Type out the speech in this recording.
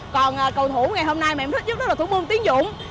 còn cầu thủ ngày hôm nay mà em thích nhất đó là thủ môn tiến dũng